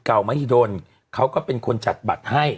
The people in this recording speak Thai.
เก่ามะธิดลก็เป็นคนจัดบัตรให้